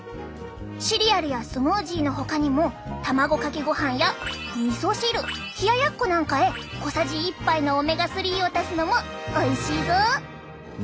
シリアルやスムージーのほかにも卵かけごはんやみそ汁冷やっこなんかへ小さじ１杯のオメガ３を足すのもおいしいぞ！